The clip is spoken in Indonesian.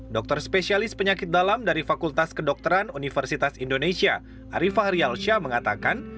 dokter spesialis penyakit dalam dari fakultas kedokteran universitas indonesia arifah rialsya mengatakan